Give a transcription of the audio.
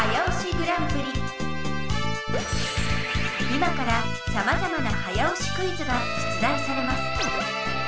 今からさまざまな早押しクイズが出題されます。